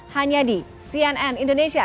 hanya di cnn indonesia